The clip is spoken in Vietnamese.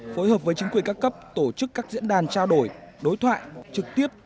phối hợp với chính quyền các cấp tổ chức các diễn đàn trao đổi đối thoại trực tiếp